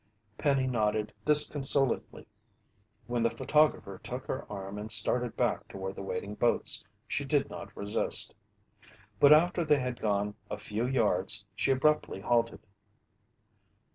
Penny nodded disconsolately. When the photographer took her arm and started back toward the waiting boats, she did not resist. But after they had gone a few yards, she abruptly halted.